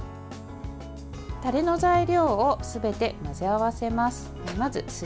タレの材料をすべて混ぜ合わせます。